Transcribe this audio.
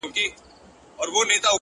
وخت د هر عمل اغېز ساتي